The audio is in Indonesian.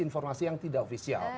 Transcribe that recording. informasi yang tidak ofisial